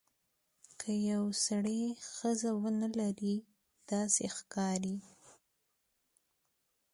که یو سړی ښځه ونه لري داسې ښکاري.